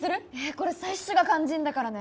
これ最初が肝心だからね